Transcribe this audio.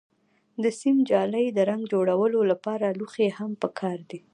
د سیم جالۍ، د رنګ جوړولو لپاره لوښي هم پکار دي.